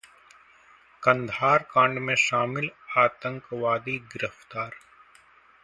कंधार कांड में शामिल आतंकवादी गिरफ्तार